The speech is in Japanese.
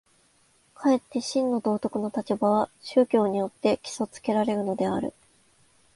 かえって真の道徳の立場は宗教によって基礎附けられるのである。